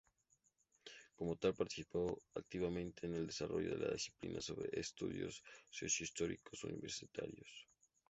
Como tal, participó activamente en el desarrollo de la disciplina sobre estudios socio-históricos universitarios.